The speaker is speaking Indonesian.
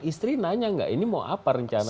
istri nanya gak ini mau apa rencananya